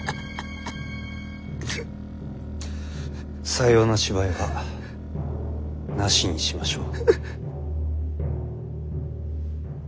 さような芝居はなしにしましょう。